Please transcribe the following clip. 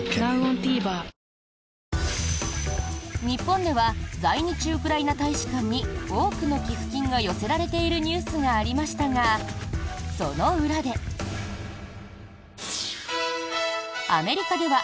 日本では在日ウクライナ大使館に多くの寄付金が寄せられているニュースがありましたがその裏で。